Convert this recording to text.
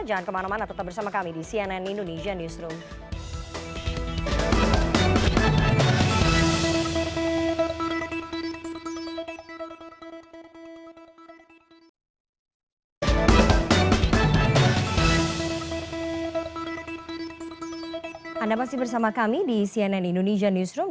jangan kemana mana tetap bersama kami di cnn indonesia newsroom